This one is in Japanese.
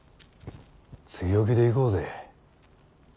強気でいこうぜ。